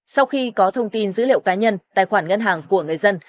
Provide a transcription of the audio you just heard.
sau khi có thông tin dữ liệu cá nhân tài khoản ngân hàng của người dân